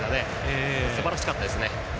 すばらしかったですね。